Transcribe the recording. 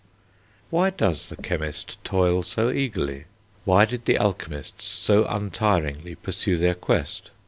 Why does the chemist toil so eagerly? Why did the alchemists so untiringly pursue their quest?